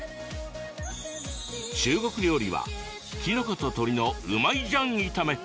中国料理は、きのこと鶏のうまい醤炒め。